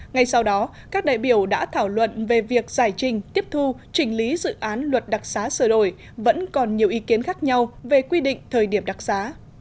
ngay sau đó các đại biểu đã thảo luận về việc giải trình tiếp thu trình lý dự án luật đặc sá sở đổi vẫn còn nhiều ý kiến khác nhau về quy định thời điểm đặc sá